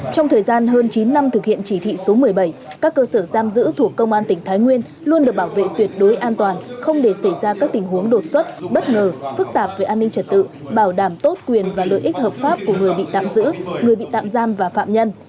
trong thời gian hơn chín năm thực hiện chỉ thị số một mươi bảy các cơ sở giam giữ thuộc công an tỉnh thái nguyên luôn được bảo vệ tuyệt đối an toàn không để xảy ra các tình huống đột xuất bất ngờ phức tạp về an ninh trật tự bảo đảm tốt quyền và lợi ích hợp pháp của người bị tạm giữ người bị tạm giam và phạm nhân